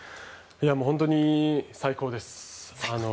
本当に最高です。